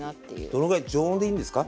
どのぐらい常温でいいんですか？